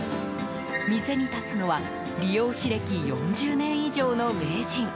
店に立つのは理容師歴４０年以上の名人。